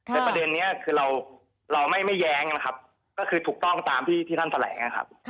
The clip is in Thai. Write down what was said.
แต่ประเด็นนี้คือเราไม่แย้งนะครับก็คือถูกต้องตามที่ท่านแถลงนะครับ